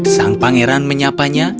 sang pangeran menyapanya